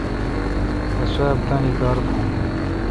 بہ سوا بہ تانی کار تھان